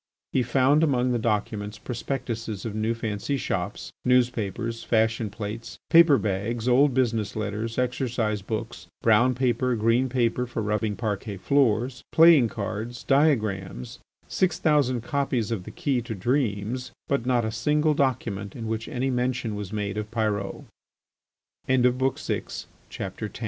He found among the documents prospectuses of new fancy shops, newspapers, fashion plates, paper bags, old business letters, exercise books, brown paper, green paper for rubbing parquet floors, playing cards, diagrams, six thousand copies of the "Key to Dreams," but not a single document in which any mention was made of Pyrot. XI. CONCL